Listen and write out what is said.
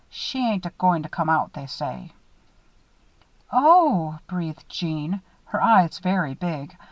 She ain't a goin' to come out, they say." "Oh!" breathed Jeanne, her eyes very big.